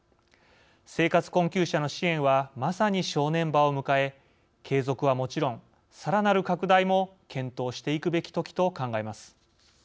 生活困窮者の支援はまさに正念場を迎え継続はもちろんさらなる拡大も検討していくべきときと考えます。